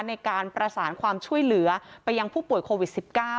ในการประสานความช่วยเหลือไปยังผู้ป่วยโควิด๑๙